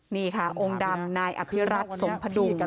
นี่ค่ะองค์ดำนายอภิรัตสมพดุง